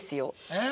えっ？